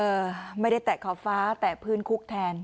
เออไม่ได้แตะขอบฟ้าแตะพื้นคุกแทน